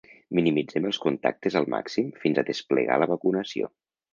Minimitzem els contactes al màxim fins a desplegar la vacunació.